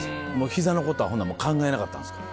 膝のことは考えなかったんですか？